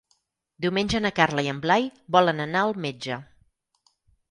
Diumenge na Carla i en Blai volen anar al metge.